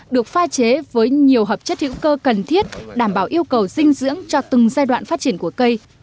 được pha chế với nhiều hợp chất hữu cơ cần thiết đảm bảo yêu cầu dinh dưỡng cho từng giai đoạn phát triển của cây